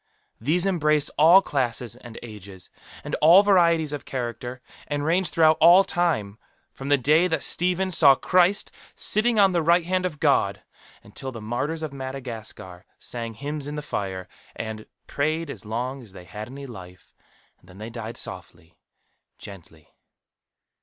These embrace all classes and ages, and all varieties of character, and range throughout all time, from the day that Stephen saw Christ sitting on the right hand of God, until the martyrs of Madagascar sang hymns in the fire, and "prayed as long as they had any life; and then they died, softly, gently."